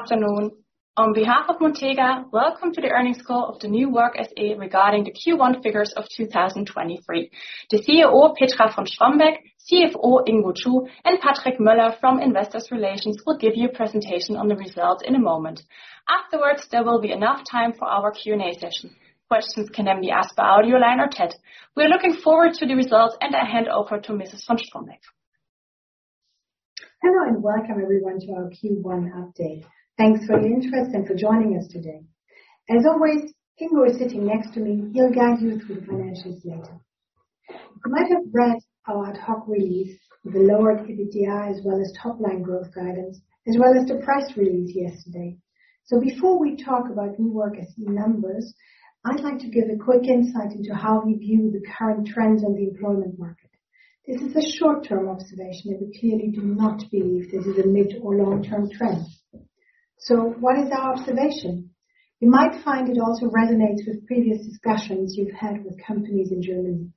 Afternoon. On behalf of Montega, welcome to the earnings call of the New Work SE regarding the Q1 figures of 2023. The COO, Petra von Strombeck, CFO, Ingo Chu, and Patrick Moeller from Investor Relations will give you a presentation on the results in a moment. Afterwards, there will be enough time for our Q&A session. Questions can then be asked by audio line or chat. We are looking forward to the results, and I hand over to Petra von Strombeck. Hello, welcome everyone to our Q1 update. Thanks for your interest and for joining us today. As always, Ingo is sitting next to me. He'll guide you through the financials later. You might have read our ad hoc release with the lowered EBITDA as well as top-line growth guidance, as well as the price release yesterday. Before we talk about New Work SE numbers, I'd like to give a quick insight into how we view the current trends in the employment market. This is a short-term observation, and we clearly do not believe this is a mid or long-term trend. What is our observation? You might find it also resonates with previous discussions you've had with companies in Germany.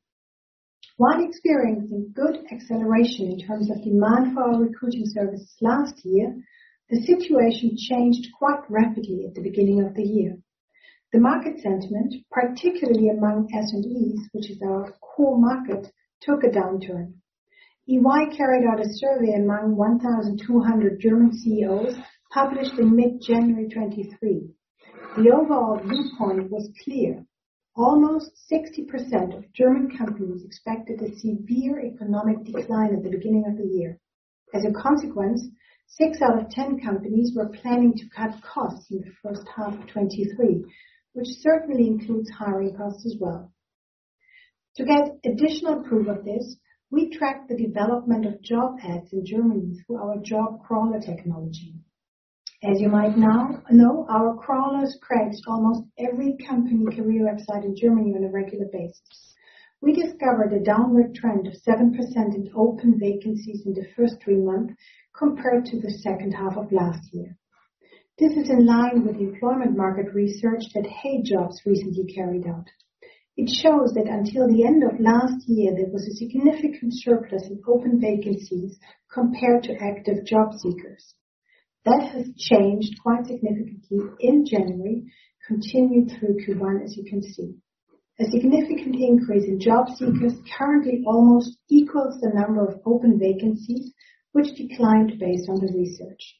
While experiencing good acceleration in terms of demand for our recruiting services last year, the situation changed quite rapidly at the beginning of the year. The market sentiment, particularly among SMEs, which is our core market, took a downturn. EY carried out a survey among 1,200 German CEOs, published in mid-January 2023. The overall viewpoint was clear. Almost 60% of German companies expected a severe economic decline at the beginning of the year. As a consequence, six out of 10 companies were planning to cut costs in the first half 2023, which certainly includes hiring costs as well. To get additional proof of this, we tracked the development of job ads in Germany through our job crawler technology. As you might know, our crawlers scrape almost every company career website in Germany on a regular basis. We discovered a downward trend of 7% in open vacancies in the first three months compared to the second half of last year. This is in line with the employment market research that HeyJobs recently carried out. It shows that until the end of last year, there was a significant surplus in open vacancies compared to active job seekers. That has changed quite significantly in January, continued through Q1, as you can see. A significant increase in job seekers currently almost equals the number of open vacancies, which declined based on the research.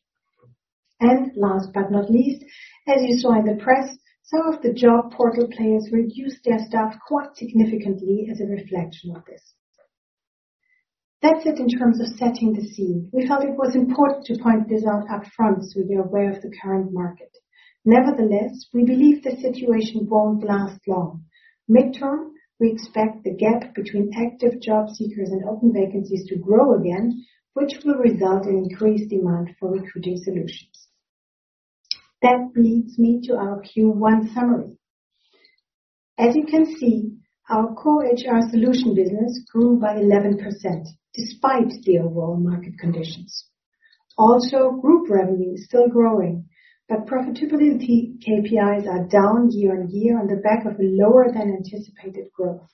Last but not least, as you saw in the press, some of the job portal players reduced their staff quite significantly as a reflection of this. That's it in terms of setting the scene. We felt it was important to point this out up front, so you're aware of the current market. Nevertheless, we believe the situation won't last long. Midterm, we expect the gap between active job seekers and open vacancies to grow again, which will result in increased demand for recruiting solutions. That leads me to our Q1 summary. As you can see, our core HR solution business grew by 11% despite the overall market conditions. Group revenue is still growing, but profitability and key KPIs are down year-on-year on the back of lower than anticipated growth.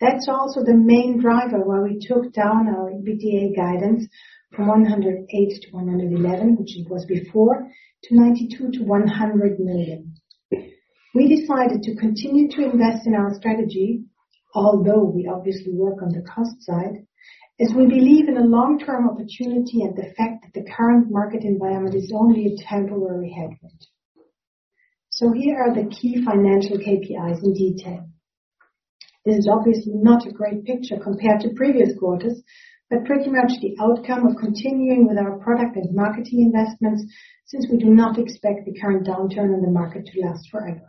That's also the main driver why we took down our EBITDA guidance from 108 million-111 million, which it was before, to 92 million-100 million. We decided to continue to invest in our strategy, although we obviously work on the cost side, as we believe in the long-term opportunity and the fact that the current market environment is only a temporary headwind. Here are the key financial KPIs in detail. This is obviously not a great picture compared to previous quarters, but pretty much the outcome of continuing with our product and marketing investments since we do not expect the current downturn in the market to last forever.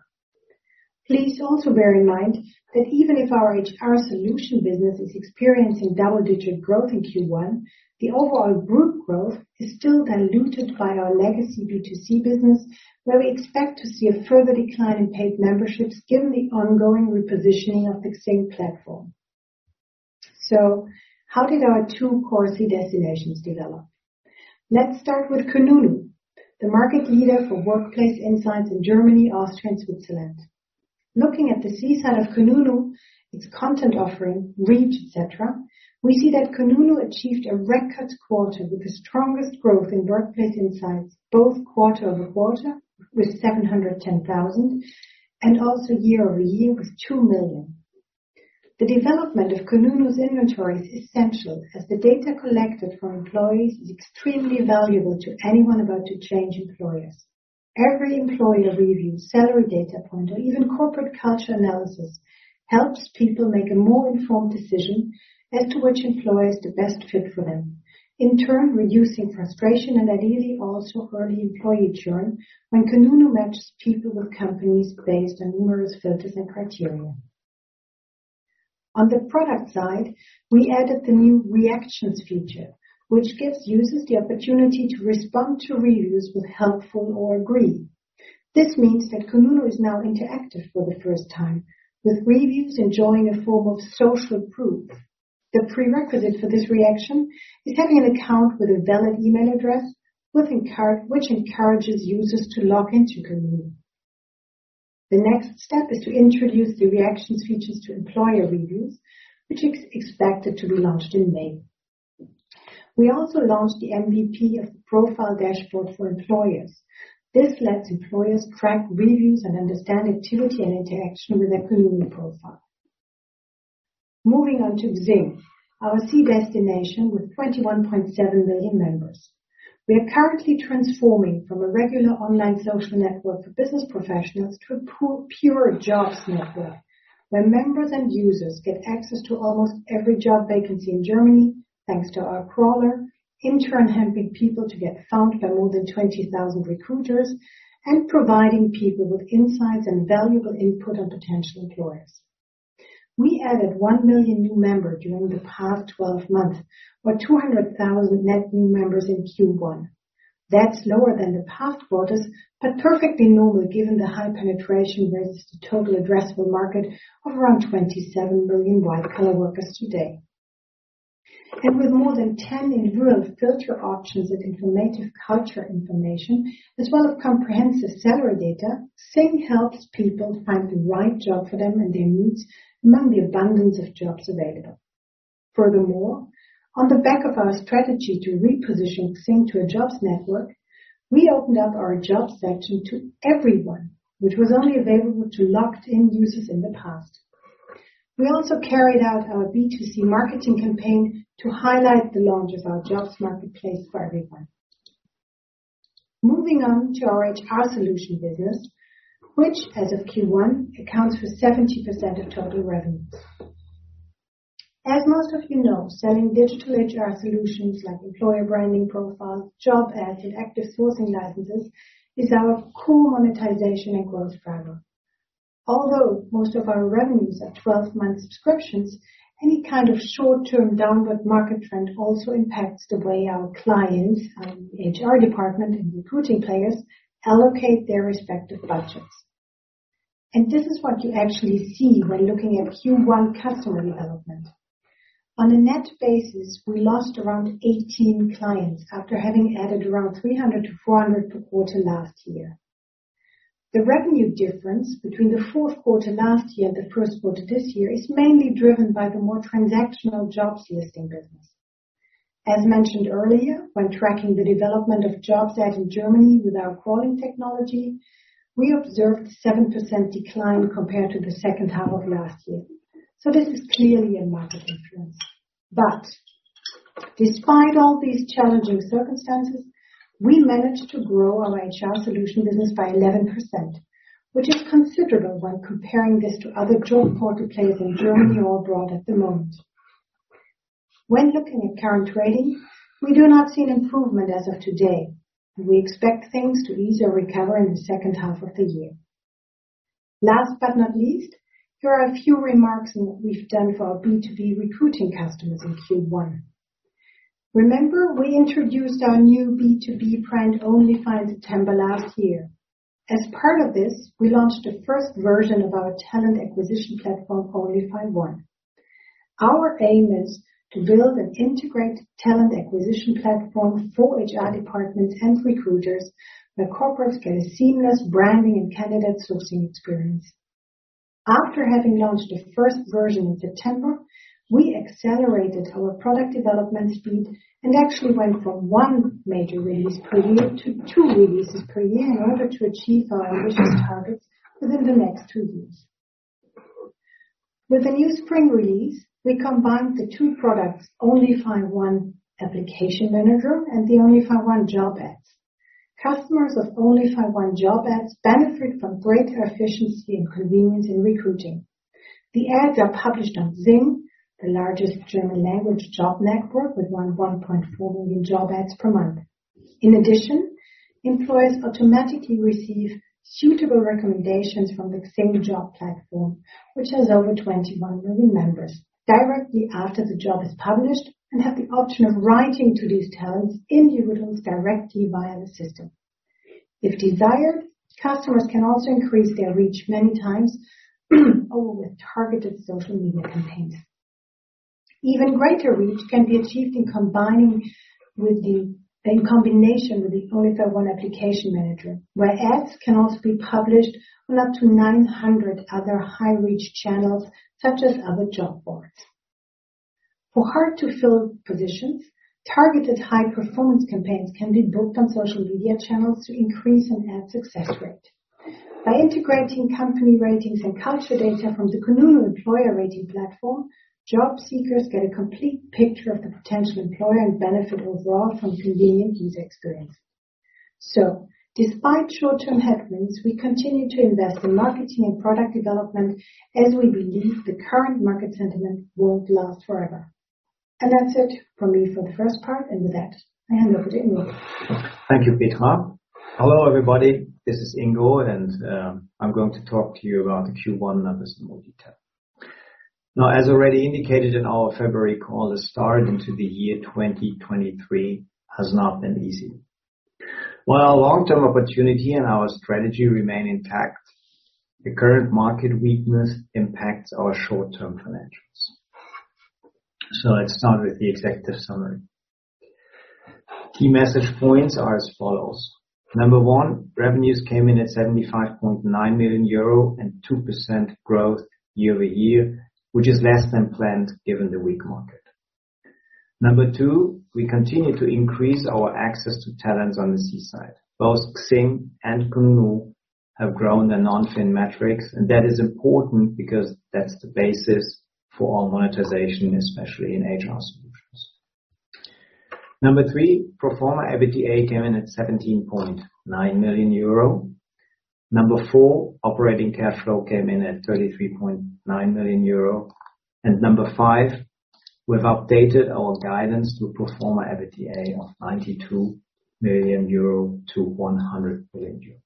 Please also bear in mind that even if our HR Solutions business is experiencing double-digit growth in Q1, the overall group growth is still diluted by our legacy B2C business, where we expect to see a further decline in paid memberships given the ongoing repositioning of the XING platform. How did our two core SE destinations develop? Let's start with kununu, the market leader for workplace insights in Germany, Austria, and Switzerland. Looking at the C-side of kununu, its content offering, reach, et cetera, we see that kununu achieved a record quarter with the strongest growth in workplace insights, both quarter-over-quarter with 710,000, and also year-over-year with 2 million. The development of kununu's inventory is essential as the data collected from employees is extremely valuable to anyone about to change employers. Every employer review, salary data point, or even corporate culture analysis helps people make a more informed decision as to which employer is the best fit for them. In turn, reducing frustration and ideally also early employee churn when kununu matches people with companies based on numerous filters and criteria. On the product side, we added the new reactions feature, which gives users the opportunity to respond to reviews with helpful or agree. This means that Kununu is now interactive for the first time, with reviews enjoying a form of social proof. The prerequisite for this reaction is having an account with a valid email address with which encourages users to log into Kununu. The next step is to introduce the reactions features to employer reviews, which is expected to be launched in May. We also launched the MVP of the profile dashboard for employers. This lets employers track reviews and understand activity and interaction with their Kununu profile. XING, our C destination with 21.7 million members. We are currently transforming from a regular online social network for business professionals to a pure jobs network, where members and users get access to almost every job vacancy in Germany, thanks to our crawler, in turn helping people to get found by more than 20,000 recruiters, and providing people with insights and valuable input on potential employers. We added 1 million new members during the past 12 months, with 200,000 net new members in Q1. That's lower than the past quarters, but perfectly normal given the high penetration versus the total addressable market of around 27 billion white collar workers today. With more than 10 improved filter options and informative culture information, as well as comprehensive salary data, XING helps people find the right job for them and their needs among the abundance of jobs available. Furthermore, on the back of our strategy to reposition XING to a jobs network, we opened up our jobs section to everyone, which was only available to locked-in users in the past. We also carried out our B2C marketing campaign to highlight the launch of our jobs marketplace for everyone. Moving on to our HR solution business, which as of Q1 accounts for 70% of total revenue. As most of you know, selling digital HR Solutions like employer branding profiles, job ads, and active sourcing licenses is our core monetization and growth driver. Although most of our revenues are 12-month subscriptions, any kind of short-term downward market trend also impacts the way our clients, HR department and recruiting players allocate their respective budgets. This is what you actually see when looking at Q1 customer development. On a net basis, we lost around 18 clients after having added around 300-400 per quarter last year. The revenue difference between the fourth quarter last year and the first quarter this year is mainly driven by the more transactional Job Ads listing business. As mentioned earlier, when tracking the development of Job Ads in Germany with our crawling technology, we observed 7% decline compared to the second half of last year. This is clearly a market influence. Despite all these challenging circumstances, we managed to grow our HR Solutions business by 11%, which is considerable when comparing this to other job portal players in Germany or abroad at the moment. When looking at current rating, we do not see an improvement as of today, and we expect things to easily recover in the second half of the year. Last but not least, here are a few remarks on what we've done for our B2B recruiting customers in Q1. Remember, we introduced our new B2B brand onlyfy in September last year. As part of this, we launched the first version of our talent acquisition platform, onlyfy one. Our aim is to build an integrated talent acquisition platform for HR departments and recruiters, where corporates get a seamless branding and candidate sourcing experience. After having launched the first version in September, we accelerated our product development speed and actually went from one major release per year to two releases per year in order to achieve outwo ambitious targets within the next two years. With the new spring release, we combined the two products, onlyfy one Application Manager and the onlyfy one Job Ads. Customers of onlyfy one Job Ads benefit from greater efficiency and convenience in recruiting. The ads are published on XING, the largest German language job network with 1.4 million job ads per month. In addition, employers automatically receive suitable recommendations from the XING job platform, which has over 21 million members directly after the job is published, and have the option of writing to these talents individuals directly via the system. If desired, customers can also increase their reach many times over with targeted social media campaigns. Even greater reach can be achieved in combination with the onlyfy one Application Manager, where ads can also be published on up to 900 other high reach channels such as other job boards. For hard-to-fill positions, targeted high performance campaigns can be booked on social media channels to increase an ad success rate. By integrating company ratings and culture data from the kununu employer rating platform, job seekers get a complete picture of the potential employer and benefit overall from convenient user experience. Despite short-term headwinds, we continue to invest in marketing and product development as we believe the current market sentiment won't last forever. That's it from me for the first part. With that, I hand over to Ingo. Thank you, Petra. Hello, everybody. This is Ingo, and I'm going to talk to you about the Q1 numbers in more detail. As already indicated in our February call, the start into the year 2023 has not been easy. While our long-term opportunity and our strategy remain intact, the current market weakness impacts our short-term financials. Let's start with the executive summary. Key message points are as follows. Number one, revenues came in at 75.9 million euro and 2% growth year-over-year, which is less than planned given the weak market. Number two, we continue to increase our access to talents on the C-side. Both XING and kununu have grown their non-fin metrics, and that is important because that's the basis for our monetization, especially in HR Solutions. Number three, pro forma EBITDA came in at 17.9 million euro. Number four, operating cash flow came in at 33.9 million euro. Number five, we've updated our guidance to pro forma EBITDA of 92 million-100 million euro.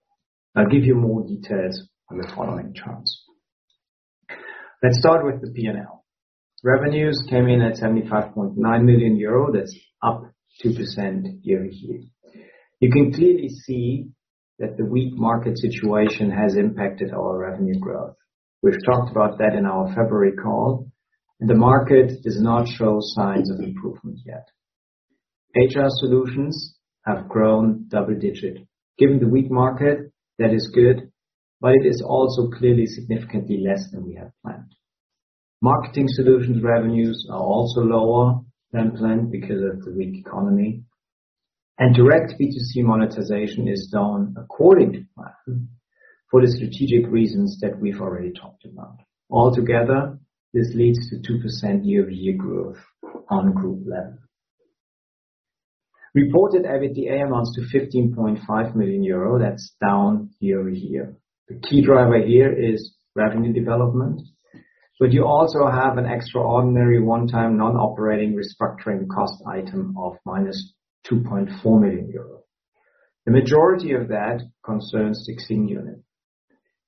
I'll give you more details on the following charts. Let's start with the P&L. Revenues came in at 75.9 million euro. That's up 2% year-over-year. You can clearly see that the weak market situation has impacted our revenue growth. We've talked about that in our February call. The market does not show signs of improvement yet. HR Solutions have grown double-digit. Given the weak market, that is good, but it is also clearly significantly less than we had planned. Marketing solutions revenues are also lower than planned because of the weak economy. Direct B2C monetization is down according to plan for the strategic reasons that we've already talked about. Altogether, this leads to 2% year-over-year growth on a group level. Reported EBITDA amounts to 15.5 million euro. That's down year-over-year. The key driver here is revenue development, but you also have an extraordinary one-time non-operating restructuring cost item of -2.4 million euro. The majority of that concerns XING unit.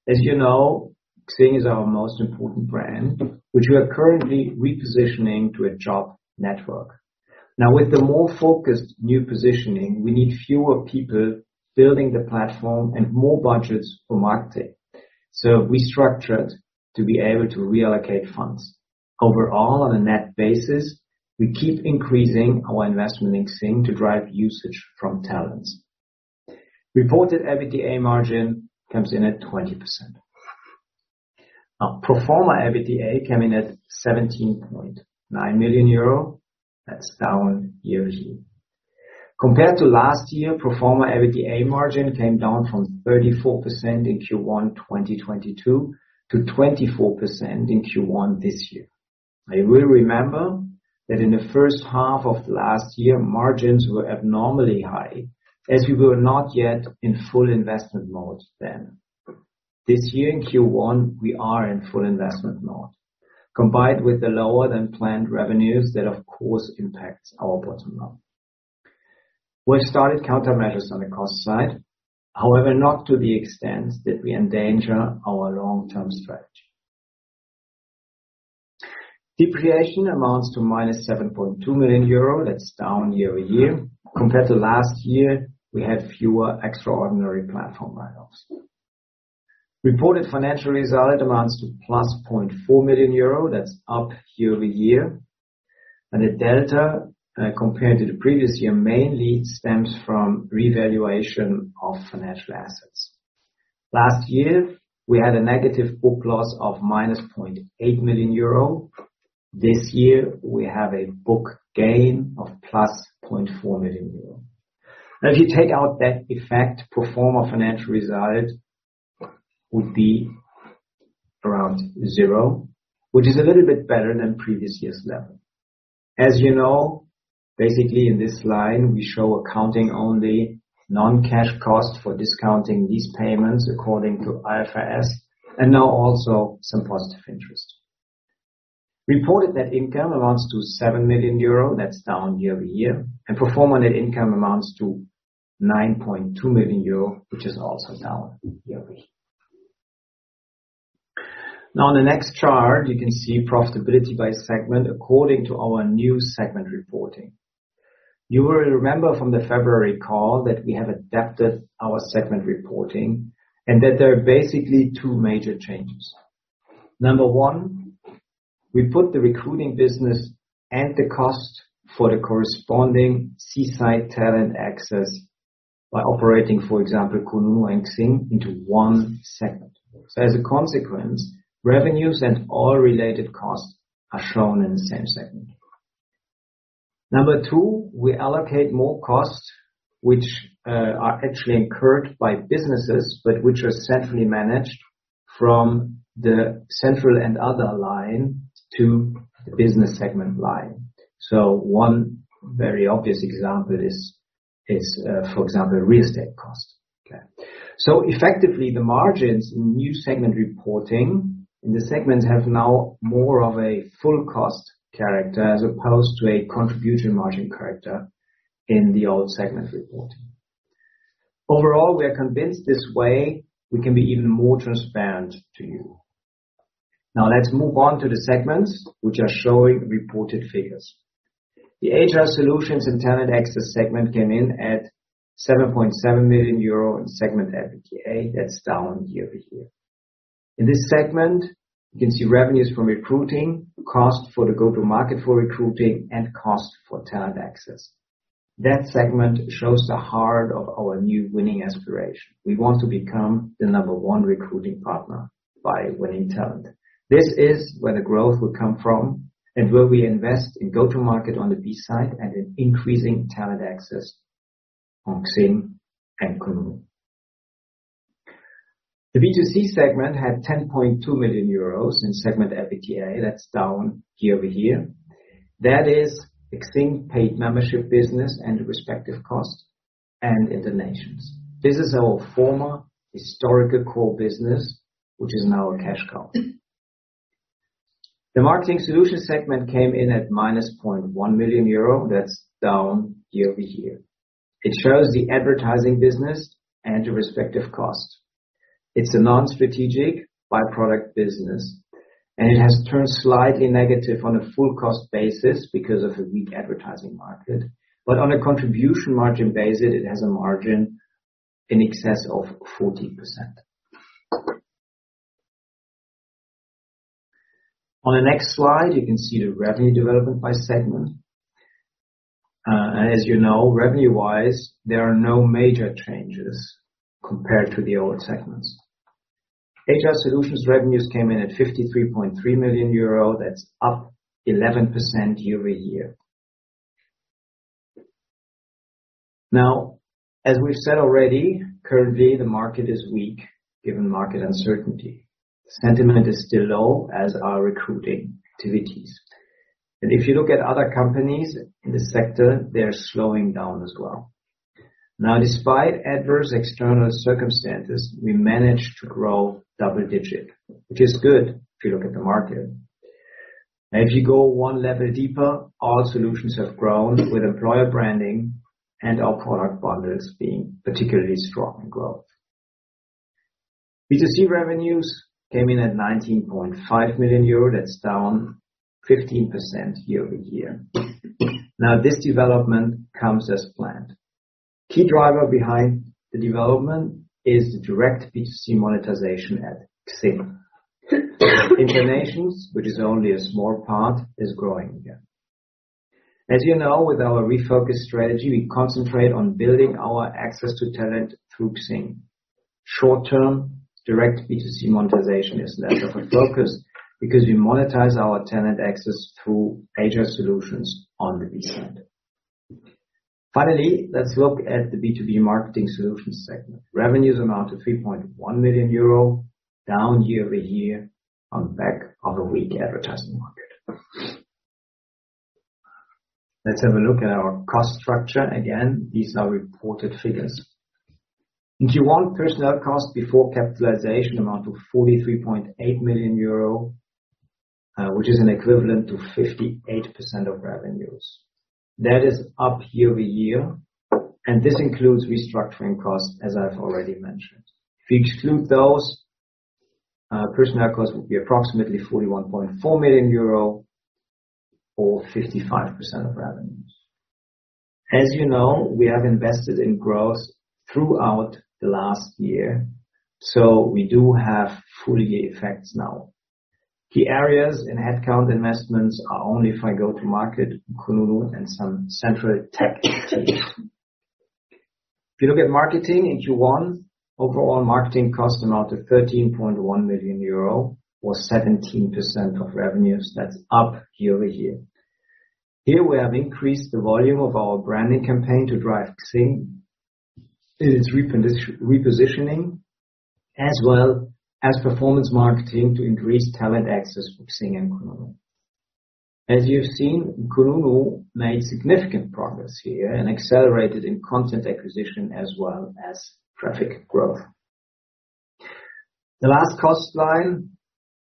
As you know, XING is our most important brand, which we are currently repositioning to a job network. Now, with the more focused new positioning, we need fewer people building the platform and more budgets for marketing. We structured to be able to reallocate funds. Overall, on a net basis, we keep increasing our investment in XING to drive usage from talents. Reported EBITDA margin comes in at 20%. Now, pro forma EBITDA came in at 17.9 million euro. That's down year-over-year. Compared to last year, pro forma EBITDA margin came down from 34% in Q1 2022 to 24% in Q1 this year. You will remember that in the first half of last year, margins were abnormally high as we were not yet in full investment mode then. This year in Q1, we are in full investment mode. Combined with the lower than planned revenues, that of course impacts our bottom line. We've started countermeasures on the cost side. Not to the extent that we endanger our long-term strategy. Depreciation amounts to -7.2 million euro. That's down year-over-year. Compared to last year, we had fewer extraordinary platform write-offs. Reported financial result amounts to +0.4 million euro. That's up year-over-year. The delta compared to the previous year, mainly stems from revaluation of financial assets. Last year, we had a negative book loss of -0.8 million euro. This year, we have a book gain of +0.4 million euro. If you take out that effect, pro forma financial result would be around zero, which is a little bit better than previous year's level. As you know, basically in this line, we show accounting only non-cash cost for discounting these payments according to IFRS and now also some positive interest. Reported net income amounts to 7 million euro. That's down year-over-year. Pro forma net income amounts to 9.2 million euro, which is also down year-over-year. In the next chart, you can see profitability by segment according to our new segment reporting. You will remember from the February call that we have adapted our segment reporting and that there are basically two major changes. Number one, we put the recruiting business and the cost for the corresponding C-side talent access by operating, for example, kununu and XING into one segment. As a consequence, revenues and all related costs are shown in the same segment. Number two, we allocate more costs which are actually incurred by businesses, but which are centrally managed from the central and other line to the business segment line. One very obvious example is, for example, real estate cost, okay. Effectively, the margins in new segment reporting in the segments have now more of a full cost character as opposed to a contribution margin character in the old segment reporting. Overall, we are convinced this way we can be even more transparent to you. Now let's move on to the segments which are showing reported figures. The HR Solutions and Talent Access segment came in at 7.7 million euro in segment EBITDA. That's down year-over-year. In this segment, you can see revenues from recruiting, cost for the go-to-market for recruiting, and cost for Talent Access. That segment shows the heart of our new winning aspiration. We want to become the number one recruiting partner by winning talent. This is where the growth will come from and where we invest in go-to-market on the B side and in increasing Talent Access on XING and kununu. The B2C segment had 10.2 million euros in segment EBITDA. That's down year-over-year. That is XING paid membership business and respective costs and InterNations. This is our former historical core business, which is now a cash cow. The marketing solutions segment came in at -0.1 million euro. That's down year-over-year. It shows the advertising business and the respective costs. It's a non-strategic by-product business, and it has turned slightly negative on a full cost basis because of a weak advertising market. On a contribution margin basis, it has a margin in excess of 14%. On the next slide, you can see the revenue development by segment. As you know, revenue-wise, there are no major changes compared to the old segments. HR Solutions revenues came in at 53.3 million euro. That's up 11% year-over-year. As we've said already, currently the market is weak, given market uncertainty. Sentiment is still low, as are recruiting activities. If you look at other companies in the sector, they're slowing down as well. Despite adverse external circumstances, we managed to grow double digit, which is good if you look at the market. If you go one level deeper, all solutions have grown with employer branding and our product bundles being particularly strong in growth. B2C revenues came in at 19.5 million euro. That's down 15% year-over-year. This development comes as planned. Key driver behind the development is the direct B2C monetization at XING. InterNations, which is only a small part, is growing again. As you know, with our refocused strategy, we concentrate on building our access to talent through XING. Short term, direct B2C monetization is less of a focus because we monetize our talent access through HR Solutions on the B side. Let's look at the B2B marketing solutions segment. Revenues amount to 3.1 million euro, down year-over-year on the back of a weak advertising market. Let's have a look at our cost structure. These are reported figures. In Q1, personnel costs before capitalization amount to 43.8 million euro, which is an equivalent to 58% of revenues. That is up year-over-year, and this includes restructuring costs, as I've already mentioned. If you exclude those, personnel costs will be approximately 41.4 million euro or 55% of revenues. As you know, we have invested in growth throughout the last year, so we do have full year effects now. Key areas in headcount investments are onlyfy go to market, kununu, and some central tech teams. If you look at marketing in Q1, overall marketing costs amount to 13.1 million euro or 17% of revenues. That's up year-over-year. Here we have increased the volume of our branding campaign to drive XING in its repositioning as well as performance marketing to increase talent access for XING and kununu. You've seen, kununu made significant progress here and accelerated in content acquisition as well as traffic growth. The last cost line,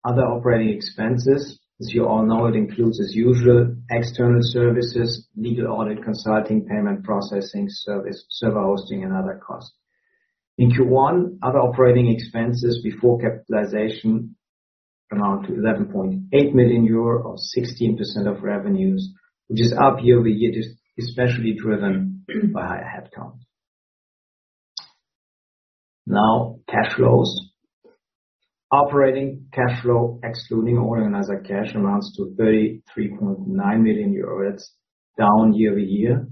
other operating expenses. You all know, it includes as usual external services, legal audit, consulting, payment processing, service, server hosting, and other costs. In Q1, other operating expenses before capitalization amount to 11.8 million euro or 16% of revenues, which is up year-over-year, especially driven by headcount. Cash flows. Operating cash flow, excluding organizer cash amounts to 33.9 million euros, down year-over-year,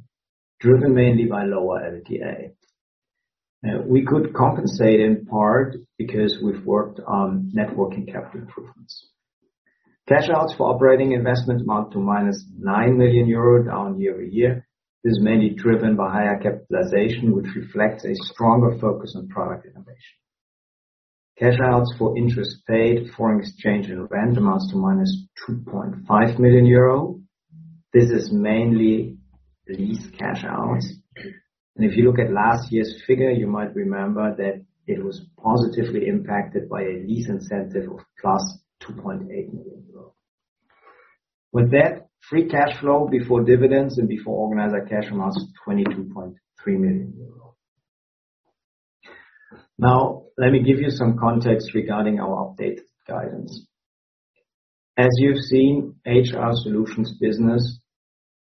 driven mainly by lower LTA. We could compensate in part because we've worked on networking capital improvements. Cash outs for operating investments amount to -9 million euro down year-over-year. This is mainly driven by higher capitalization, which reflects a stronger focus on product innovation. Cash outs for interest paid, foreign exchange and rent amounts to -2.5 million euro. This is mainly lease cash outs. If you look at last year's figure, you might remember that it was positively impacted by a lease incentive of +2.8 million euros. With that, free cash flow before dividends and before organizer cash amounts to 22.3 million euros. Now let me give you some context regarding our updated guidance. As you've seen, HR Solutions business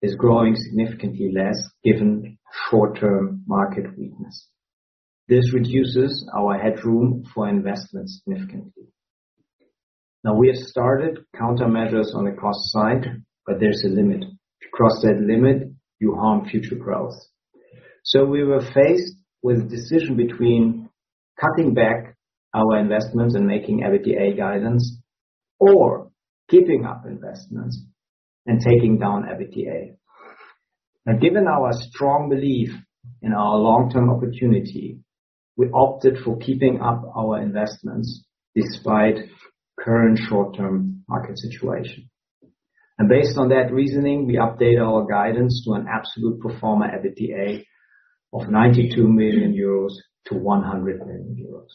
is growing significantly less given short-term market weakness. This reduces our headroom for investment significantly. Now, we have started countermeasures on the cost side, but there's a limit. If you cross that limit, you harm future growth. We were faced with a decision between cutting back our investments and making EBITDA guidance or keeping up investments and taking down EBITDA. Now, given our strong belief in our long-term opportunity, we opted for keeping up our investments despite current short-term market situation. Based on that reasoning, we updated our guidance to an absolute pro forma EBITDA of 92 million-100 million euros.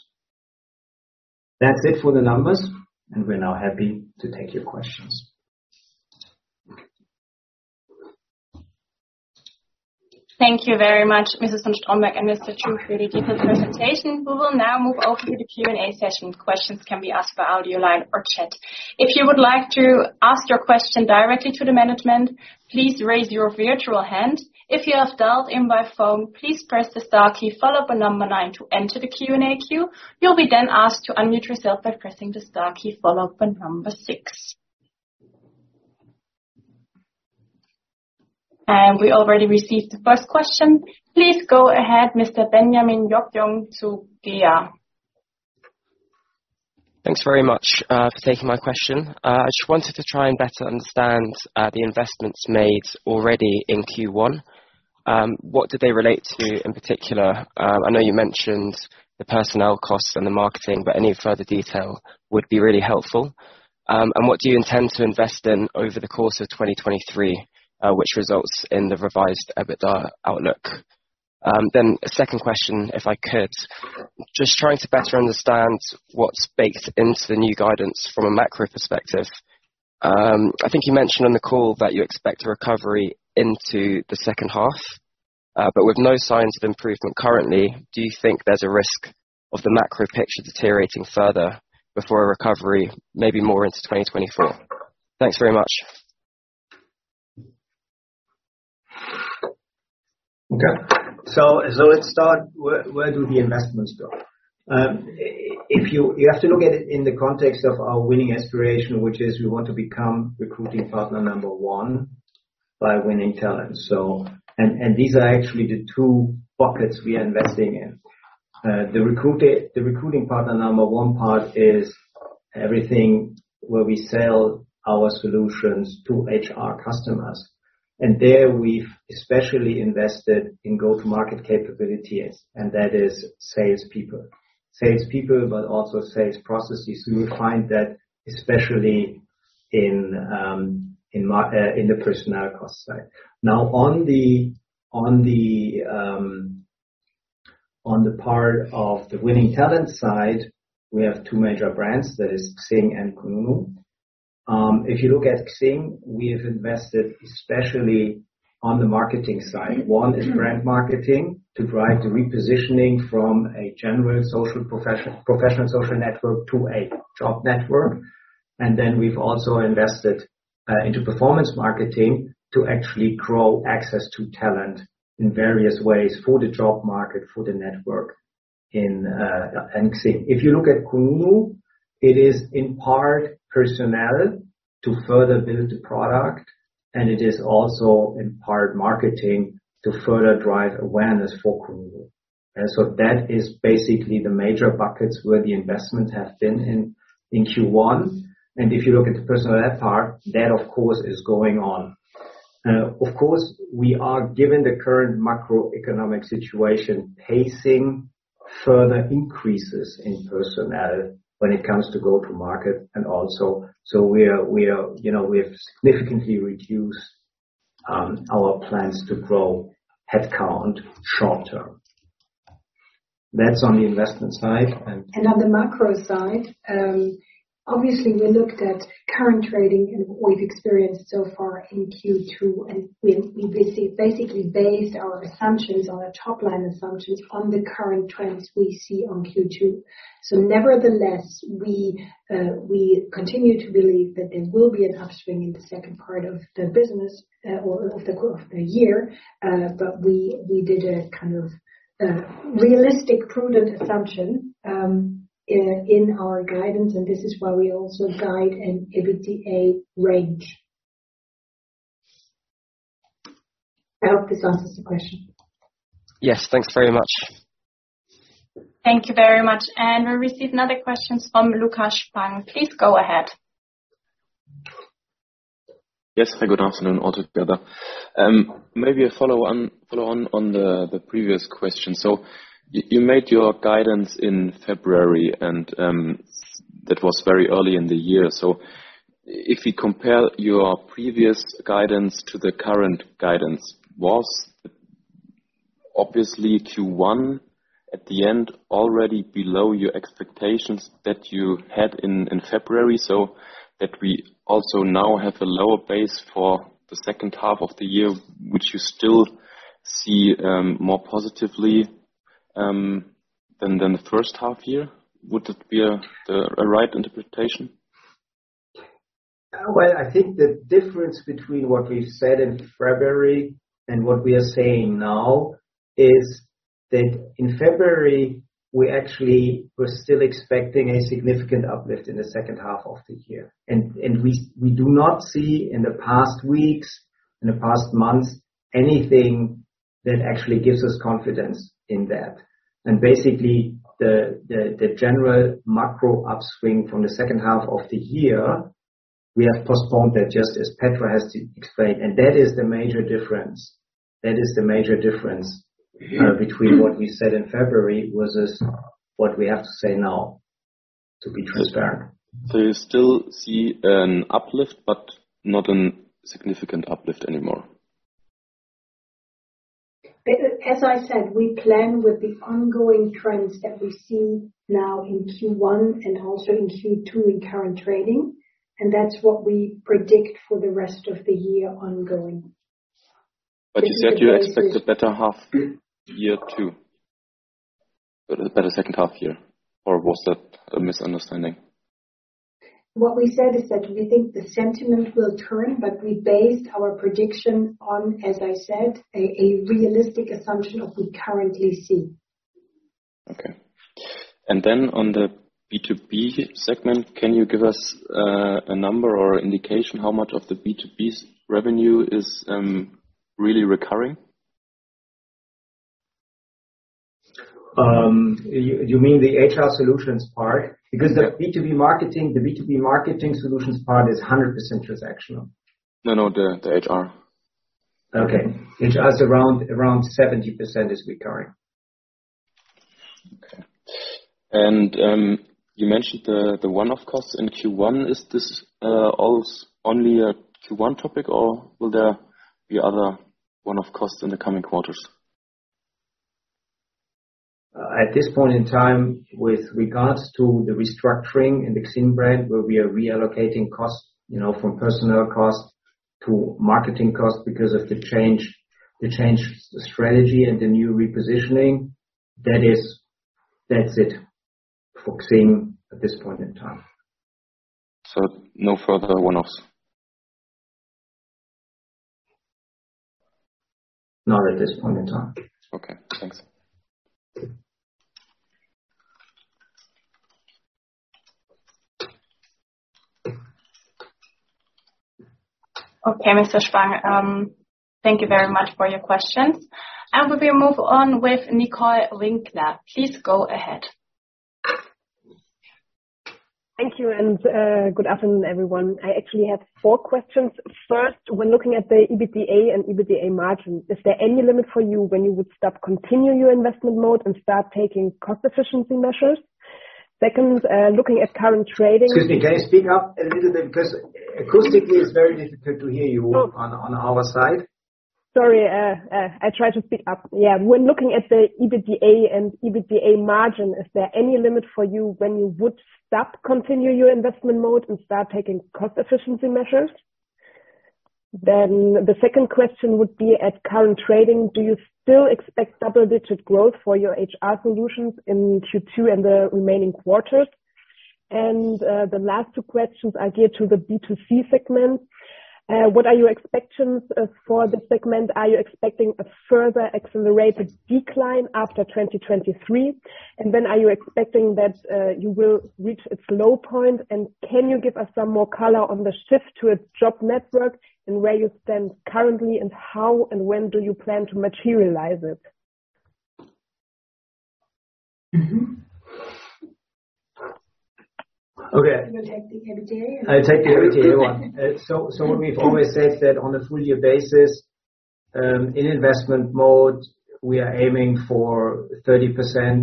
That's it for the numbers, we're now happy to take your questions. Thank you very much, Mrs. von Strombeck and Mr. Chu for the detailed presentation. We will now move over to the Q&A session. Questions can be asked by audio line or chat. If you would like to ask your question directly to the management, please raise your virtual hand. If you have dialed in by phone, please press the star key followed by nine to enter the Q&A queue. You'll be then asked to unmute yourself by pressing the star key followed by six. We already received the first question. Please go ahead, Mr. Benjamin Zoega. Thanks very much for taking my question. I just wanted to try and better understand the investments made already in Q1. What did they relate to in particular? I know you mentioned the personnel costs and the marketing, but any further detail would be really helpful. What do you intend to invest in over the course of 2023, which results in the revised EBITDA outlook? A second question, if I could. Just trying to better understand what's baked into the new guidance from a macro perspective. I think you mentioned on the call that you expect a recovery into the second half, but with no signs of improvement currently, do you think there's a risk of the macro picture deteriorating further before a recovery maybe more into 2024? Thanks very much. Okay. Let's start where do the investments go? You have to look at it in the context of our winning aspiration, which is we want to become recruiting partner number one by winning talent. These are actually the two buckets we are investing in. The recruiting partner number one part is everything where we sell our solutions to HR customers. There we've especially invested in go-to-market capabilities, and that is salespeople. Salespeople, but also sales processes. You will find that especially in the personnel cost side. On the part of the winning talent side, we have two major brands, that is XING and kununu. If you look at XING, we have invested especially on the marketing side. One is brand marketing to drive the repositioning from a general social professional social network to a job network. We've also invested into performance marketing to actually grow access to talent in various ways for the job market, for the network in XING. If you look at kununu, it is in part personnel to further build the product, and it is also in part marketing to further drive awareness for kununu. That is basically the major buckets where the investments have been in Q1. If you look at the personnel, that part of course is going on. Of course, we are giving the current macroeconomic situation pacing further increases in personnel when it comes to go-to-market and also. We are, you know, we have significantly reduced our plans to grow headcount short term. That's on the investment side. On the macro side, obviously we looked at current trading and what we've experienced so far in Q2, and we basically based our assumptions on our top line assumptions on the current trends we see on Q2. Nevertheless, we continue to believe that there will be an upswing in the second part of the business or of the year. We did a kind of realistic, prudent assumption in our guidance, and this is why we also guide an EBITDA range. I hope this answers the question. Yes, thanks very much. Thank you very much. We received another question from Lukas Spang. Please go ahead. Yes. Good afternoon all together. Maybe a follow on the previous question. You made your guidance in February and that was very early in the year. If we compare your previous guidance to the current guidance, was obviously Q1 at the end already below your expectations that you had in February, that we also now have a lower base for the second half of the year, which you still see more positively Than the first half year. Would it be a right interpretation? Well, I think the difference between what we've said in February and what we are saying now is that in February, we actually were still expecting a significant uplift in the second half of the year. We do not see in the past weeks, in the past months, anything that actually gives us confidence in that. Basically, the general macro upswing from the second half of the year, we have postponed that just as Petra has explained. That is the major difference. That is the major difference between what we said in February versus what we have to say now, to be transparent. You still see an uplift, but not a significant uplift anymore? As I said, we plan with the ongoing trends that we see now in Q1 and also in Q2 in current trading. That's what we predict for the rest of the year ongoing. You said you expect a better half year two. A better second half year. Was that a misunderstanding? What we said is that we think the sentiment will turn. We based our prediction on, as I said, a realistic assumption of we currently see. Okay. Then on the B2B segment, can you give us, a number or indication how much of the B2B's revenue is really recurring? You mean the HR Solutions part? Yeah. The B2B marketing solutions part is 100% transactional. No, no, the HR. Okay. HR is around 70% is recurring. Okay. You mentioned the one-off costs in Q1. Is this only a Q1 topic, or will there be other one-off costs in the coming quarters? At this point in time, with regards to the restructuring in the XING brand, where we are reallocating costs, you know, from personnel costs to marketing costs because of the change strategy and the new repositioning, that's it for XING at this point in time. No further one-offs? Not at this point in time. Okay, thanks. Okay, Mr. Spang. Thank you very much for your questions. We will move on with Nicole Winkler. Please go ahead. Thank you. Good afternoon, everyone. I actually have four questions. First, when looking at the EBITDA and EBITDA margin, is there any limit for you when you would stop continue your investment mode and start taking cost efficiency measures? Second, looking at current trading? Excuse me. Can you speak up a little bit? Acoustically, it's very difficult to hear you on our side. Sorry, I try to speak up. Yeah. When looking at the EBITDA and EBITDA margin, is there any limit for you when you would stop continue your investment mode and start taking cost efficiency measures? The second question would be, at current trading, do you still expect double-digit growth for your HR Solutions in Q2 and the remaining quarters? The last two questions are geared to the B2C segment. What are your expectations for the segment? Are you expecting a further accelerated decline after 2023? Are you expecting that you will reach its low point? Can you give us some more color on the shift to a job network and where you stand currently and how and when do you plan to materialize it? Okay. You take the EBITDA and I take the EBITDA 1. What we've always said that on a full year basis, in investment mode, we are aiming for 30%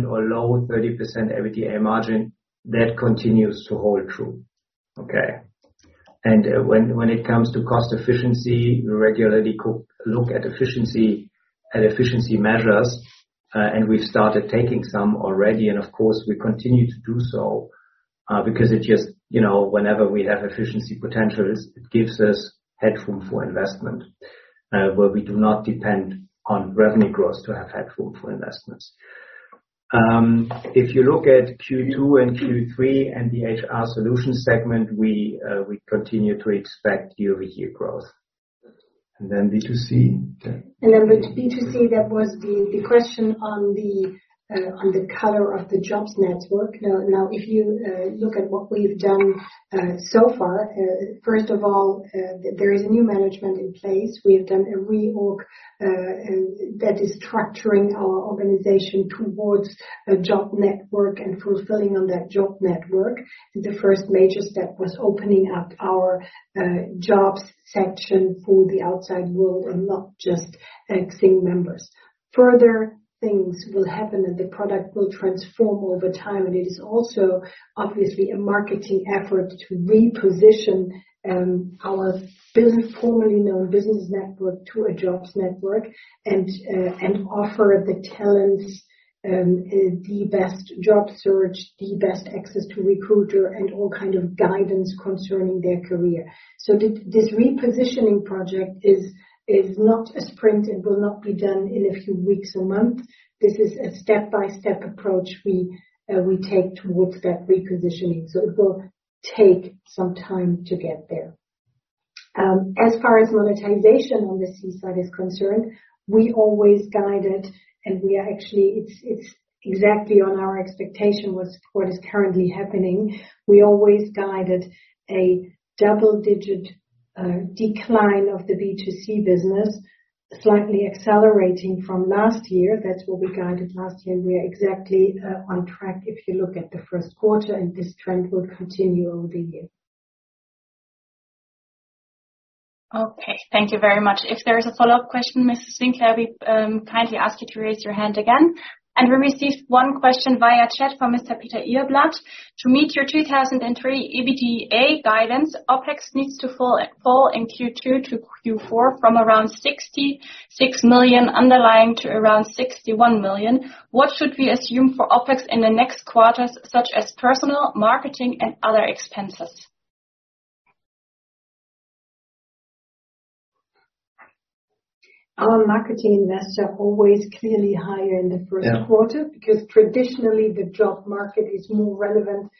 or low 30% EBITDA margin. That continues to hold true. Okay? When it comes to cost efficiency, we regularly look at efficiency measures, and we've started taking some already and of course, we continue to do so, because it just, you know, whenever we have efficiency potential, it gives us headroom for investment, where we do not depend on revenue growth to have headroom for investments. If you look at Q2 and Q3 and the HR Solutions segment, we continue to expect year-over-year growth. B2C? With B2C, that was the question on the color of the jobs network. Now if you look at what we've done so far, first of all, there is new management in place. We have done a reorg that is structuring our organization towards a job network and fulfilling on that job network. The first major step was opening up our jobs section for the outside world and not just XING members. Further things will happen, the product will transform over time, it is also obviously a marketing effort to reposition formerly known business network to a jobs network and offer the talent the best job search, the best access to recruiter and all kind of guidance concerning their career. This repositioning project is not a sprint. It will not be done in a few weeks or months. This is a step-by-step approach we take towards that repositioning. It will take some time to get there. As far as monetization on the C-side is concerned, we always guided, and we are actually, it's exactly on our expectation what is currently happening. We always guided a double-digit decline of the B2C business, slightly accelerating from last year. That's what we guided last year, and we are exactly on track if you look at the first quarter, and this trend will continue over the year. Okay, thank you very much. If there is a follow-up question, Mr. [inaudible] we kindly ask you to raise your hand again. We received one question via chat from Mr. Peter. [inaudible] To meet your 2003 EBITDA guidance, OpEx needs to fall in Q2 to Q4 from around 66 million underlying to around 61 million. What should we assume for OpEx in the next quarters, such as personnel, marketing, and other expenses? Our marketing investments are always clearly higher in the first quarter. Yeah. Because traditionally the job market is more relevant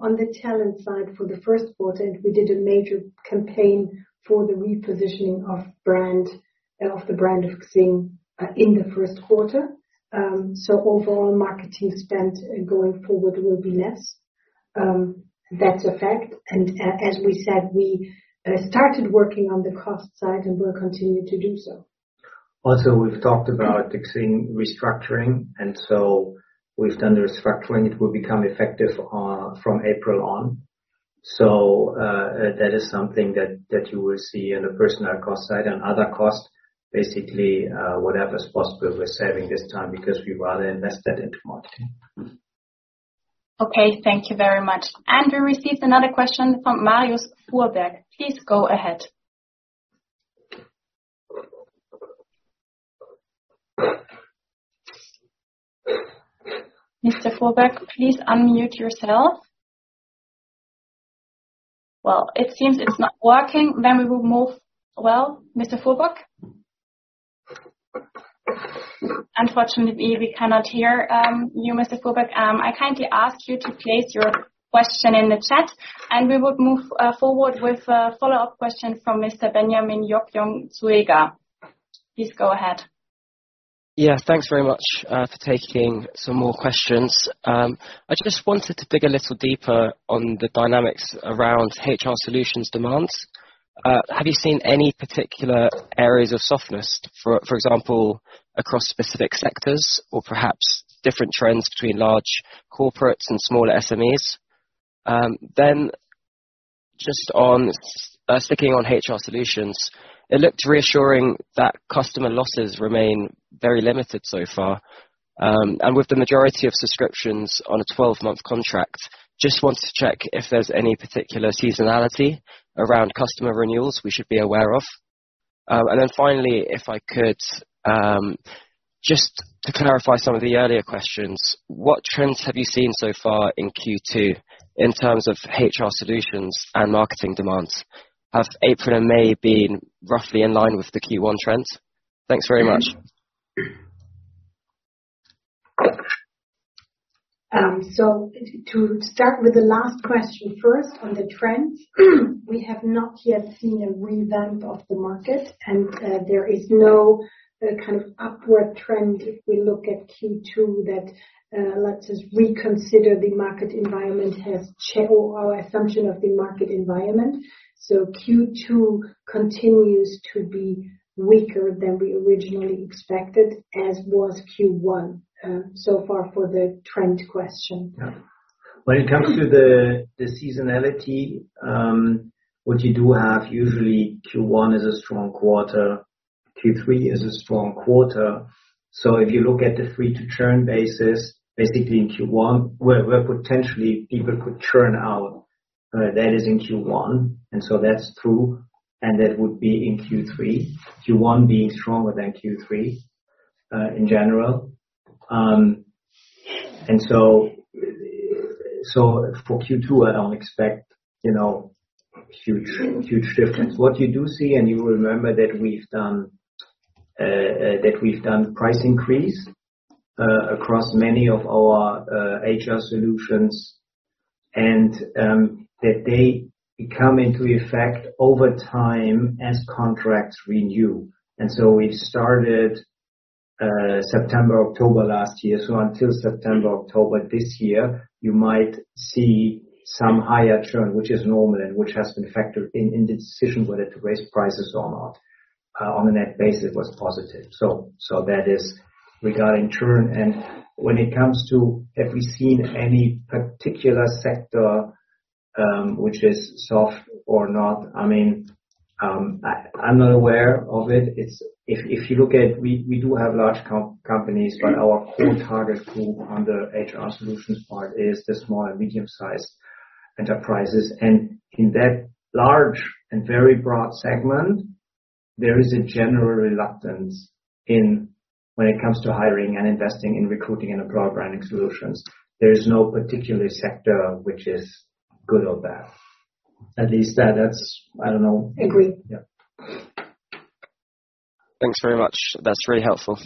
on the talent side for the first quarter. We did a major campaign for the repositioning of brand, of the brand of XING, in the first quarter. Overall marketing spend going forward will be less. That's a fact. As we said, we started working on the cost side and will continue to do so. We've talked about XING restructuring, we've done the restructuring. It will become effective from April on. That is something that you will see on a personal cost side and other costs, basically, whatever's possible, we're saving this time because we rather invest that into marketing. Okay, thank you very much. We received another question from Marius inaudible. Please go ahead. Mr. inaudible, please unmute yourself. Well, it seems it's not working. Well, Mr. inaudible? Unfortunately, we cannot hear you, Mr. inaudible. I kindly ask you to place your question in the chat. We would move forward with a follow-up question from Mr. Benjamin Zoega. Please go ahead. Yeah, thanks very much for taking some more questions. I just wanted to dig a little deeper on the dynamics around HR Solutions demands. Have you seen any particular areas of softness, for example, across specific sectors or perhaps different trends between large corporates and smaller SMEs? Just on sticking on HR Solutions, it looked reassuring that customer losses remain very limited so far. With the majority of subscriptions on a 12-month contract, just wanted to check if there's any particular seasonality around customer renewals we should be aware of. Finally, if I could, just to clarify some of the earlier questions, what trends have you seen so far in Q2 in terms of HR Solutions and marketing demands? Have April and May been roughly in line with the Q1 trends? Thanks very much. To start with the last question first on the trends, we have not yet seen a revamp of the market, and there is no kind of upward trend if we look at Q2 that lets us reconsider the market environment has or our assumption of the market environment. Q2 continues to be weaker than we originally expected, as was Q1, so far for the trend question. When it comes to the seasonality, what you do have usually Q1 is a strong quarter, Q3 is a strong quarter. If you look at the free to churn basis, basically in Q1 where potentially people could churn out, that is in Q1, that's true, and that would be in Q3. Q1 being stronger than Q3 in general. For Q2, I don't expect, you know, huge shift. What you do see, and you will remember that we've done price increase across many of our HR Solutions and that they come into effect over time as contracts renew. We started September, October last year. Until September, October this year, you might see some higher churn, which is normal and which has been factored in the decision whether to raise prices or not. On a net basis, it was positive. That is regarding churn. When it comes to have we seen any particular sector, which is soft or not, I mean, I'm not aware of it. It's if you look at we do have large companies, but our core target group on the HR Solutions part is the Small and Medium-sized Enterprises. In that large and very broad segment, there is a general reluctance in when it comes to hiring and investing in recruiting and employer branding solutions. There is no particular sector which is good or bad. At least that's, I don't know. Agreed. Yeah. Thanks very much. That's really helpful.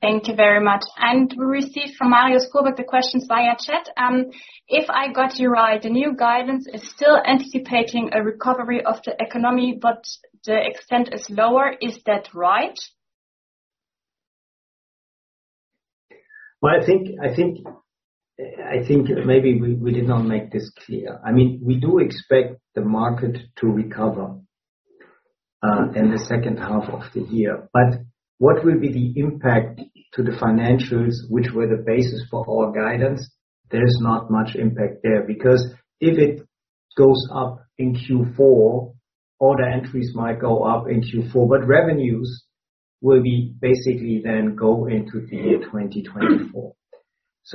Thank you very much. We received from Marius Schwarz the questions via chat. If I got you right, the new guidance is still anticipating a recovery of the economy, but the extent is lower. Is that right? Well, I think maybe we did not make this clear. I mean, we do expect the market to recover in the second half of the year. What will be the impact to the financials, which were the basis for our guidance? There is not much impact there. If it goes up in Q4, order entries might go up in Q4, but revenues will be basically then go into the year 2024.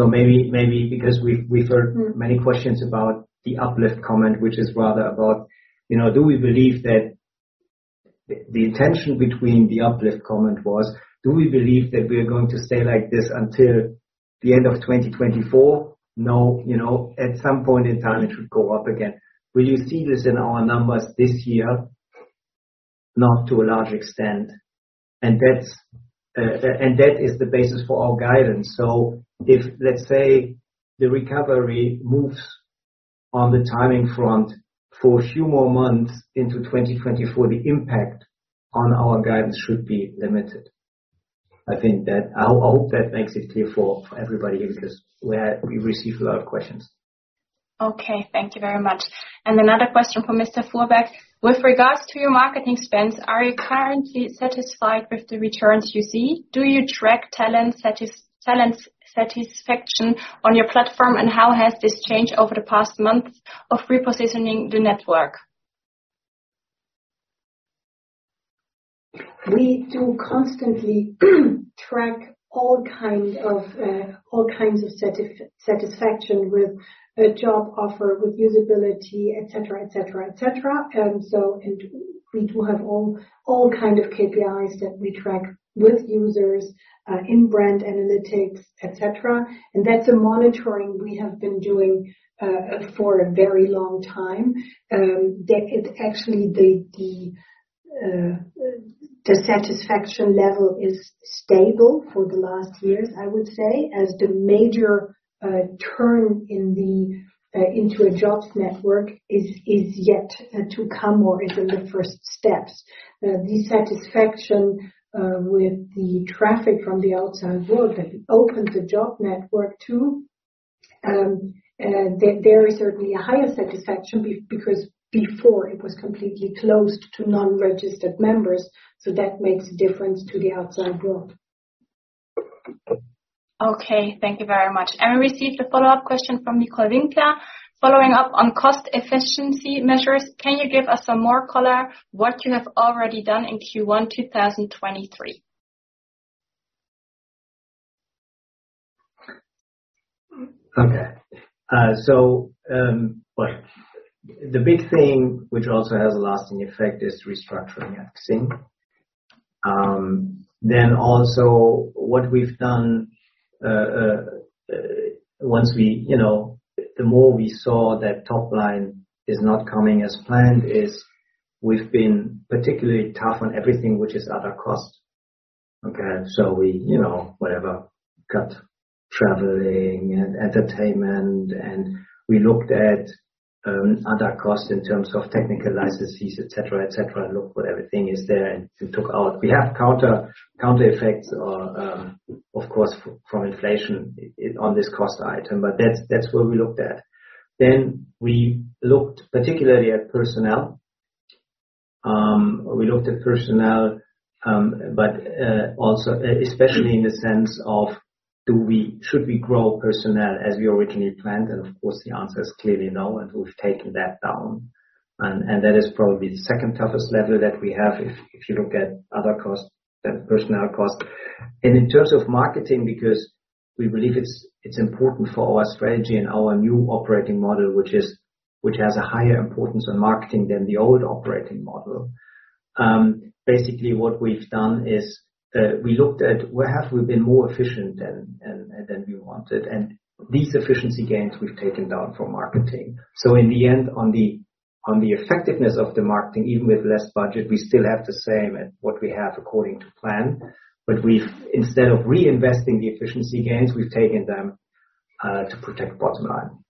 Maybe because we've heard many questions about the uplift comment, which is rather about, you know, do we believe that the intention between the uplift comment was, do we believe that we are going to stay like this until the end of 2024? No. You know, at some point in time, it should go up again. Will you see this in our numbers this year? Not to a large extent. That is the basis for our guidance. If, let's say, the recovery moves on the timing front for a few more months into 2024, the impact on our guidance should be limited. I think that. I hope that makes it clear for everybody here because we received a lot of questions. Okay, thank you very much. Another question from Mr. Furberg. With regards to your marketing spends, are you currently satisfied with the returns you see? Do you track talent satisfaction on your platform, and how has this changed over the past months of repositioning the network? We do constantly track all kinds of satisfaction with a job offer, with usability, et cetera, et cetera, et cetera. We do have all kind of KPIs that we track with users, in-brand analytics, et cetera. That's a monitoring we have been doing for a very long time. It actually the satisfaction level is stable for the last years, I would say, as the major turn in the into a jobs network is yet to come or is in the first steps. The satisfaction with the traffic from the outside world that it opens a job network to, there is certainly a higher satisfaction because before it was completely closed to non-registered members. That makes a difference to the outside world. Okay, thank you very much. We received a follow-up question from Nicole Winkler. Following up on cost efficiency measures, can you give us some more color what you have already done in Q1 2023? Okay. Well, the big thing which also has a lasting effect is restructuring at XING. Also what we've done, once we, you know, the more we saw that top line is not coming as planned is we've been particularly tough on everything which is other costs. Okay. We, you know, whatever, cut traveling and entertainment, and we looked at other costs in terms of technical licenses, et cetera, et cetera, looked what everything is there and took out. We have counter effects or, of course, from inflation on this cost item, but that's where we looked at. We looked particularly at personnel. We looked at personnel, but also especially in the sense of should we grow personnel as we originally planned? Of course, the answer is clearly no, and we've taken that down. That is probably the second toughest level that we have if you look at other costs than personnel costs. In terms of marketing, because we believe it's important for our strategy and our new operating model, which has a higher importance on marketing than the old operating model. Basically what we've done is, we looked at where have we been more efficient than we wanted. These efficiency gains we've taken down for marketing. In the end, on the effectiveness of the marketing, even with less budget, we still have the same and what we have according to plan. We've, instead of reinvesting the efficiency gains, we've taken them to protect bottom line.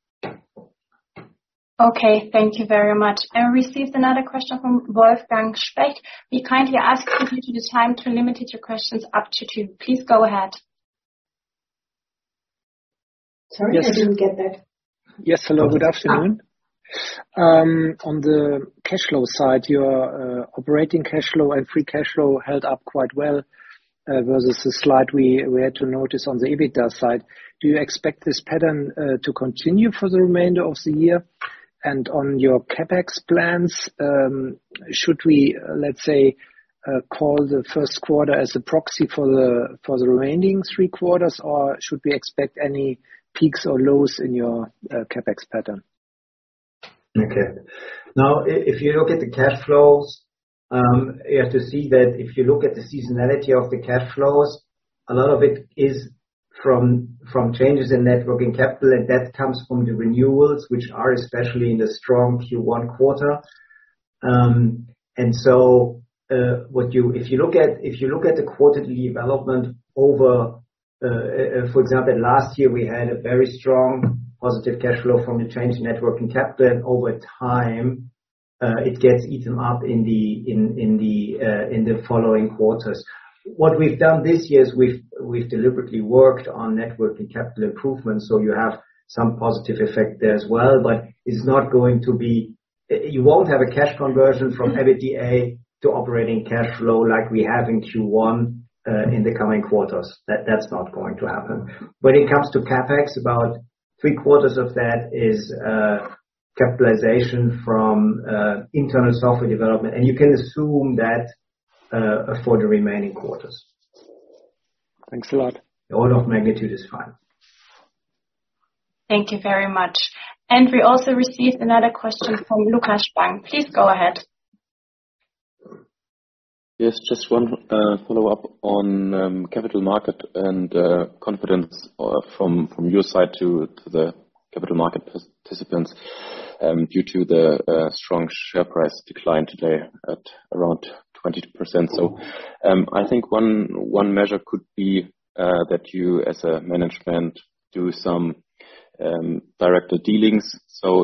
Okay, thank you very much. I received another question from Wolfgang Specht. We kindly ask you to the time to limit your questions up to two. Please go ahead. Sorry, I didn't get that. Yes. Hello, good afternoon. Ah. On the cash flow side, your operating cash flow and free cash flow held up quite well versus the slide we had to notice on the EBITDA side. Do you expect this pattern to continue for the remainder of the year? On your CapEx plans, should we, let's say, call the first quarter as a proxy for the, for the remaining three quarters, or should we expect any peaks or lows in your CapEx pattern? Okay. Now if you look at the cash flows, you have to see that if you look at the seasonality of the cash flows, a lot of it is from changes in net working capital, and that comes from the renewals, which are especially in the strong Q1 quarter. If you look at, if you look at the quarterly development over, for example, last year, we had a very strong positive cash flow from the change in net working capital. Over time, it gets eaten up in the following quarters. What we've done this year is we've deliberately worked on net working capital improvements, so you have some positive effect there as well. It's not going to be... You won't have a cash conversion from EBITDA to operating cash flow like we have in Q1, in the coming quarters. That's not going to happen. When it comes to CapEx, about three-quarters of that is capitalization from internal software development, and you can assume that for the remaining quarters. Thanks a lot. The order of magnitude is fine. Thank you very much. We also received another question from Lukas Spang. Please go ahead. Yes. Just one follow-up on capital market and confidence from your side to the capital market participants due to the strong share price decline today at around 20%. I think one measure could be that you as a management do some director dealings.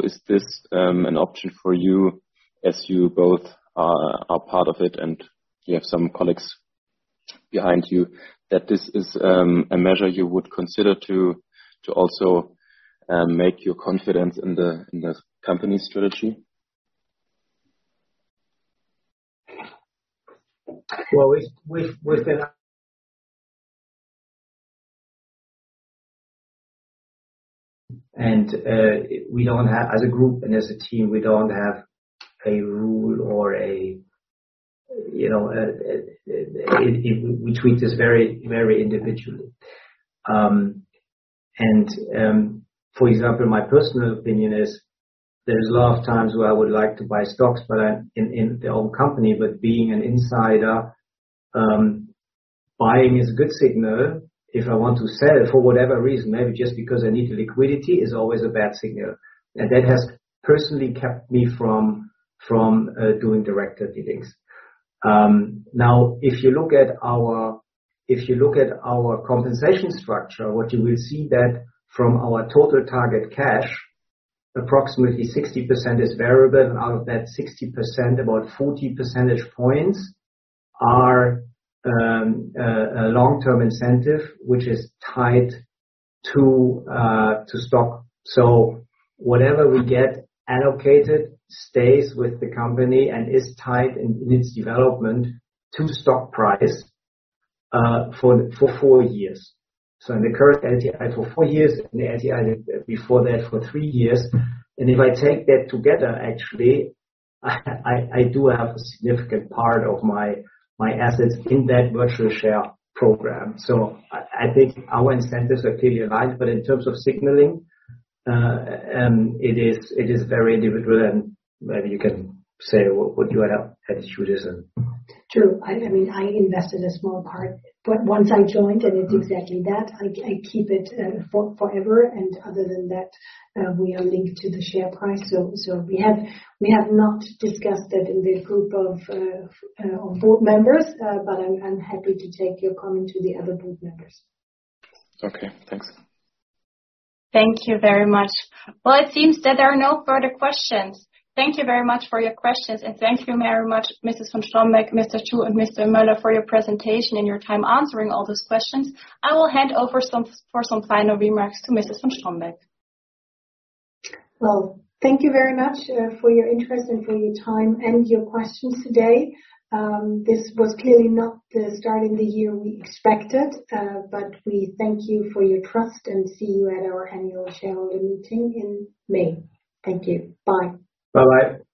Is this an option for you as you both are part of it and you have some colleagues behind you that this is a measure you would consider to also make your confidence in the company strategy? Well, we've been. As a group and as a team, we don't have a rule or a, you know, it. We treat this very, very individually. For example, my personal opinion is there's a lot of times where I would like to buy stocks, but in the old company. Being an insider, buying is a good signal. If I want to sell it for whatever reason, maybe just because I need the liquidity, is always a bad signal. That has personally kept me from doing director dealings. Now, if you look at our compensation structure, what you will see that from our total target cash, approximately 60% is variable. Out of that 60%, about 40 percentage points are a long-term incentive, which is tied to stock. Whatever we get allocated stays with the company and is tied in its development to stock price for four years. In the current NTI for four years, and the NTI before that for three years. If I take that together, actually, I do have a significant part of my assets in that virtual share program. I think our incentives are clearly aligned. In terms of signaling, it is very individual. Maybe you can say what your attitude is. True. I mean, I invested a small part, but once I joined, and it's exactly that, I keep it forever. Other than that, we are linked to the share price. We have not discussed it in the group of board members, but I'm happy to take your comment to the other board members. Okay, thanks. Thank you very much. Well, it seems that there are no further questions. Thank you very much for your questions. Thank you very much, Mrs. Strombeck, Mr. Chu, and Mr. Möller for your presentation and your time answering all those questions. I will hand over for some final remarks to Mrs. von Strombeck. Well, thank you very much for your interest and for your time and your questions today. This was clearly not the start in the year we expected, but we thank you for your trust, and see you at our annual shareholder meeting in May. Thank you. Bye. Bye-bye.